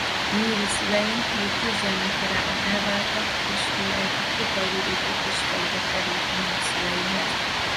Nyíri szülei még kisgyermekkorában elváltak és ő egy Tokaj-vidéki kis faluba került a nagyszüleihez.